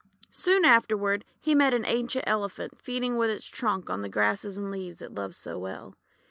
Soon afterward he met an ancient Elephant feeding with its trunk on the grasses and leaves it loves so well.